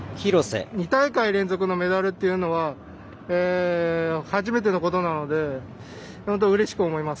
２大会連続のメダルというのは初めてのことなので本当うれしく思います。